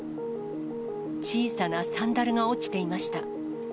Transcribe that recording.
小さなサンダルが落ちていました。